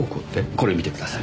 これ見てください。